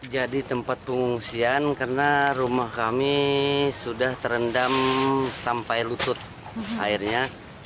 jadi tempat pengungsian karena rumah kami sudah terendam sampai lutut airnya